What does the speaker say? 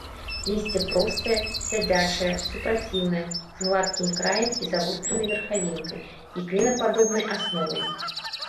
Лісце простае, сядзячае, супраціўнае, з гладкім краем і завостранай верхавінкай і клінападобнай асновай.